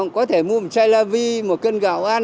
có thể mua một chai la vi một cân gạo ăn